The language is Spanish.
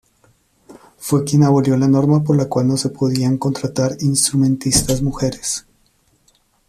Fue quien abolió la norma por la cual no se podían contratar instrumentistas mujeres.